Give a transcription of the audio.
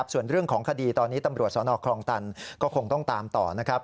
ส่วนเรื่องของคดีตอนนี้ตำรวจสนคลองตันก็คงต้องตามต่อนะครับ